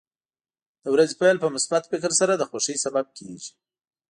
د ورځې پیل په مثبت فکر سره د خوښۍ سبب کېږي.